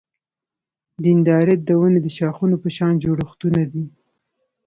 دندرایت د ونې د شاخونو په شان جوړښتونه دي.